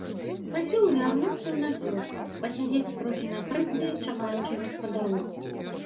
Хацеў вярнуцца на двор, пасядзець трохі на прызбе, чакаючы гаспадароў.